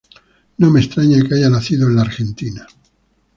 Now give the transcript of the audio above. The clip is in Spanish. No me extraña que haya nacido en la Argentina.